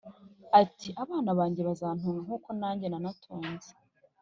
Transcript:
Ati: “Abana bange bazantunga nk’uko nange nanatunze